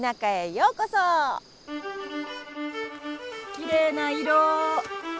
きれいな色！